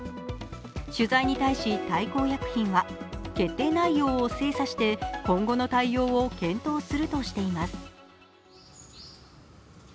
取材に対し大幸薬品は、決定内容を精査して今後の対応を検討するとしています。